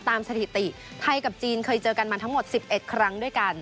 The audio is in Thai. สถิติไทยกับจีนเคยเจอกันมาทั้งหมด๑๑ครั้งด้วยกัน